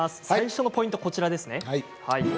最初のポイントがこちらですね。